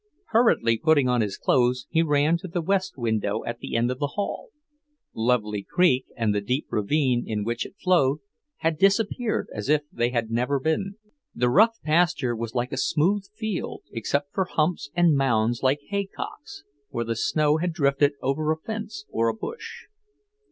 Hurriedly putting on his clothes he ran to the west window at the end of the hall; Lovely Creek, and the deep ravine in which it flowed, had disappeared as if they had never been. The rough pasture was like a smooth field, except for humps and mounds like haycocks, where the snow had drifted over a post or a bush.